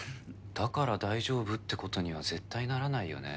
だから大丈夫ってことには絶対ならないよね？